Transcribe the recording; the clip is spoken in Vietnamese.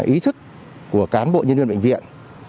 ý thức của cán bộ nhân viên bệnh viện